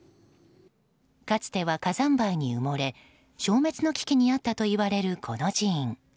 かつては火山灰に埋もれ消滅の危機にあったといわれるこの寺院。